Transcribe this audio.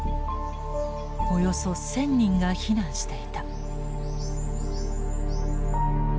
およそ１，０００人が避難していた。